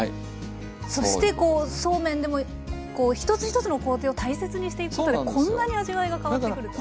そしてこうそうめんでも一つ一つの工程を大切にしていくことでこんなに味わいが変わってくると。